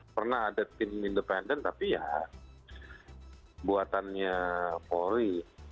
pernah ada tim independen tapi ya buatannya polri